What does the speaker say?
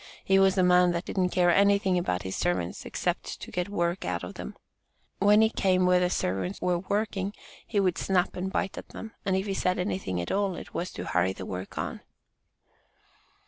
He was a man that didn't care anything about his servants, except to get work out of them. When he came where the servants were working, he would snap and bite at them and if he said anything at all, it was to hurry the work on."